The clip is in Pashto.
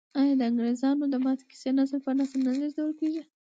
آیا د انګریزامو د ماتې کیسې نسل په نسل نه لیږدول کیږي؟